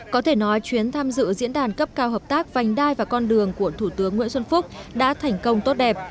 có thể nói chuyến tham dự diễn đàn cấp cao hợp tác vành đai và con đường của thủ tướng nguyễn xuân phúc đã thành công tốt đẹp